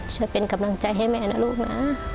ช่วยเป็นกำลังใจให้แม่นะลูกนะ